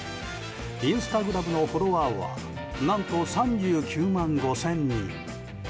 インスタグラムのフォロワーは何と、３９万５０００人。